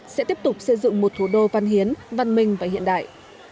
sẽ tiếp tục xây dựng một thủ đô văn hiến văn minh và hiện đại